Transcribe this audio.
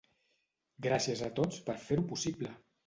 Gràcies a tots per fer-ho possible!